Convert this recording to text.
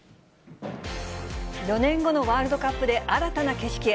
４年後のワールドカップで新たな景色へ。